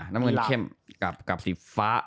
น้ำเงินเข้มกับสีฟ้า